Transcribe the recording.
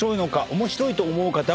面白いと思う方はＡ。